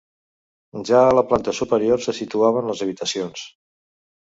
Ja a la planta superior se situaven les habitacions.